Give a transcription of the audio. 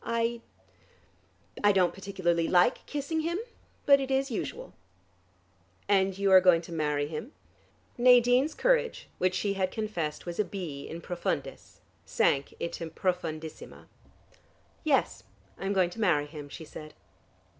I I don't particularly like kissing him. But it is usual." "And you are going to marry him?" Nadine's courage which she had confessed was a B. in profundis, sank into profundissima. "Yes, I am going to marry him," she said.